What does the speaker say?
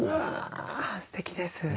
すてきです。